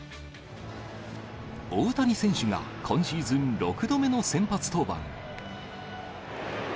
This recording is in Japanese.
大谷選手が今シーズン６度目の先発登板。